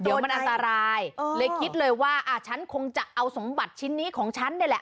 เดี๋ยวมันอันตรายเลยคิดเลยว่าอ่าฉันคงจะเอาสมบัติชิ้นนี้ของฉันนี่แหละ